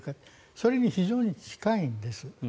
それに非常に近いんです。